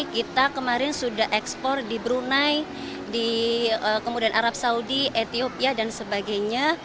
kita kemarin sudah ekspor di brunei kemudian arab saudi etiopia dan sebagainya